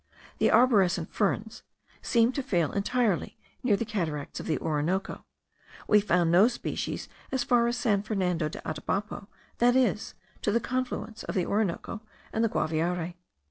The arborescent ferns seem to fail entirely near the cataracts of the Orinoco; we found no species as far as San Fernando de Atabapo, that is, to the confluence of the Orinoco and the Guaviare.